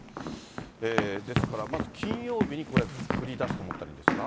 ですから、まず金曜日にこれ、降りだすと思ったらいいんですか？